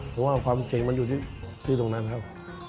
เพราะว่าความเจ๋งมันอยู่ที่ตรงนั้นครับ